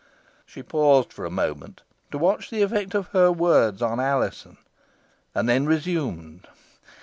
She paused for a moment, to watch the effect of her words on Alizon, and then resumed.